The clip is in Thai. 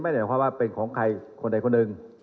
ไม่เห็นว่าเป็นของใครคนใดคนหนึ่ง